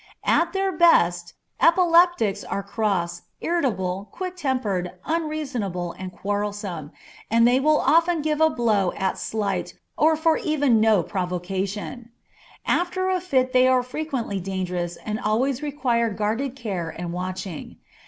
At their best, epileptics are cross, irritable, quick tempered, unreasonable, and quarrelsome, and they will often give a blow at slight, or even for no provocation. After a fit they are frequently dangerous and always require guarded care and watching.